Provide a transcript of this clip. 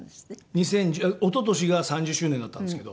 二千一昨年が３０周年だったんですけど。